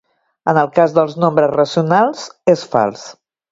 En el cas dels nombres racionals és fals.